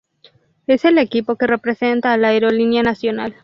Es el equipo que representa a la aerolínea nacional.